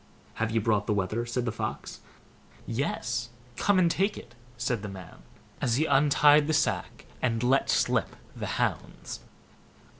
"Have you brought the wether?" said the Fox. "Yes, come and take it", said the man, as he untied the sack and let slip the hounds.